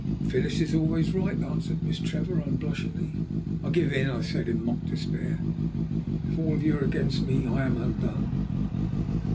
"Phyllis is always right," answered Miss Trevor unblushingly. "I give in," I said in mock despair. "If you are all against me, I am undone."